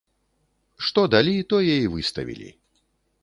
Што далі, тое і выставілі.